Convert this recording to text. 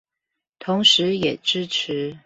同時也支持